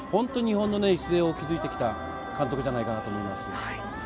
日本の礎を築いてきた監督じゃないかと思います。